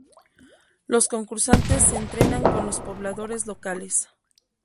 Los concursantes se entrenan con los pobladores locales.